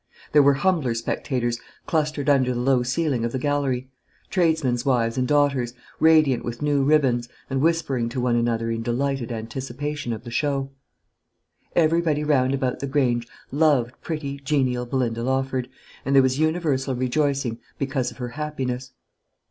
There were humbler spectators clustered under the low ceiling of the gallery tradesmen's wives and daughters, radiant with new ribbons, and whispering to one another in delighted anticipation of the show. Everybody round about the Grange loved pretty, genial Belinda Lawford, and there was universal rejoicing because of her happiness.